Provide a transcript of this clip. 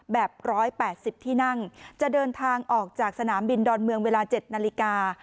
๑๘๐ที่นั่งจะเดินทางออกจากสนามบินดอนเมืองเวลา๗นาฬิกา